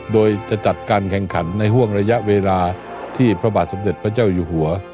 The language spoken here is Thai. โดยจะจัดการแข่งขันในห่วงระยะเวลาที่พระบาทสมเด็จพระเจ้าอยู่หัว